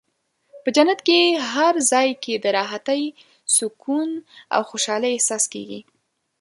په جنت کې په هر ځای کې د راحتۍ، سکون او خوشحالۍ احساس کېږي.